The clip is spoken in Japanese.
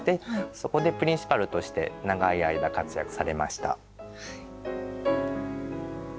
そこでプリンシパルとして長い間活躍されました。